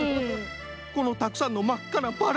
このたくさんのまっかなバラ！